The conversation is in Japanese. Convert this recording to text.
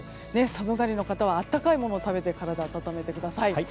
寒がりの方は温かいものを食べて体を温めてください。